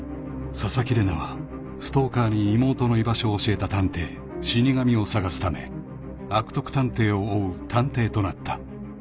［紗崎玲奈はストーカーに妹の居場所を教えた探偵死神を捜すため悪徳探偵を追う探偵となった］